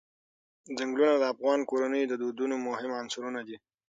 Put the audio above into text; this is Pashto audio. ځنګلونه د افغان کورنیو د دودونو مهم عنصر دی.